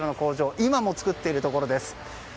今も作っているところです。